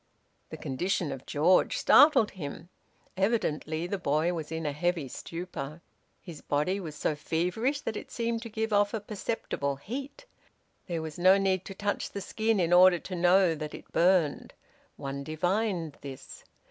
The condition of George startled him. Evidently the boy was in a heavy stupor. His body was so feverish that it seemed to give off a perceptible heat. There was no need to touch the skin in order to know that it burned: one divined this.